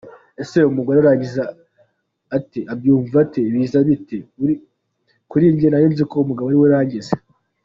Ese umugore arangiza ate? abyumva ate ? biza bite? kurijye narinzi ko umugabo ariwe urangiza.